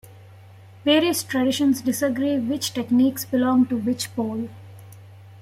Various traditions disagree which techniques belong to which pole.